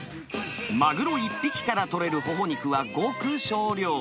マグロ１匹から取れるホホ肉はごく少量。